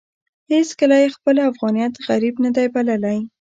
هېڅکله يې خپل افغانيت غريب نه دی بللی.